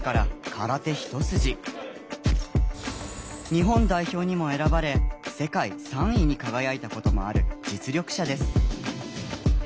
日本代表にも選ばれ世界３位に輝いたこともある実力者です。